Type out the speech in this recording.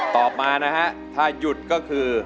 ตอบมานะฮะถ้าหยุดก็คือ